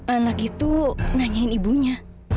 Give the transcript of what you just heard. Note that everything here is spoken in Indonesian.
anak itu nanyain ibunya